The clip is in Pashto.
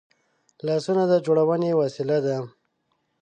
لاسونه د جوړونې وسیله ده